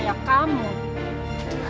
nggak kayak kamu